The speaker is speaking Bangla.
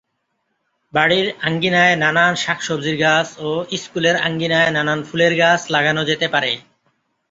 বাড়ির আঙিনায় নানান শাকসবজির গাছ ও স্কুলের আঙিনায় নানান ফুলের গাছ লাগানো যেতে পারে।